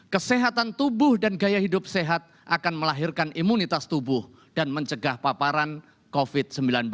kesehatan tubuh dan gaya hidup sehat akan melahirkan imunitas tubuh dan mencegah paparan covid sembilan belas